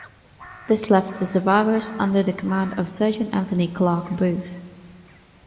This left the survivors under the command of Sergeant Anthony Clarke Booth.